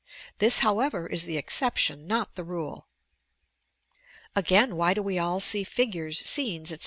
This, however, is the exception, not the rule. Again, why do we all see figures, scenes, etc.